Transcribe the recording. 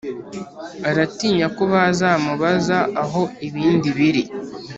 Aratinyako bazamubaza aho ibindi biri